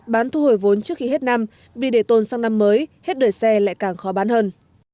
bán thu hồi vốn trước khi hết năm vì để tồn sang năm mới hết đời xe lại càng khó bán hơn